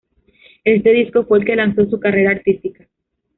Este disco fue el que lanzó su carrera artística.